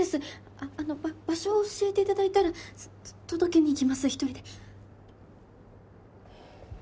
ああのば場所を教えていただいたらと届けに行きます一人で。